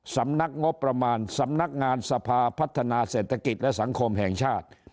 สำนักงบประมาณสำนักงานสภาพัฒนาเศรษฐกิจและสังคมแห่งชาติ